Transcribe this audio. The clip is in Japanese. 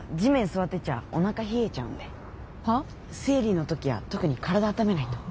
生理の時は特に体あっためないと。